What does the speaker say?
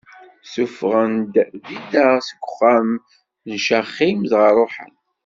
Ssufɣen-d Dina seg uxxam n Caxim, dɣa ṛuḥen.